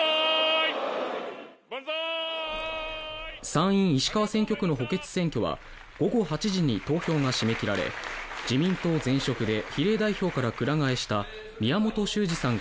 参院石川選挙区の補欠選挙は午後８時に投票が締め切られ、自民党・前職で比例代表からくら替えした宮本周司さん